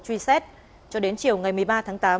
truy xét cho đến chiều ngày một mươi ba tháng tám